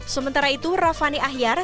sementara itu raffani ahyar